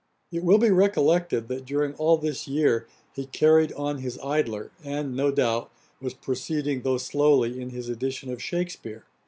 ] It will be recollected, that during all this year he carried on his Idler, and, no doubt, was proceeding, though slowly, in his edition of Shakspeare.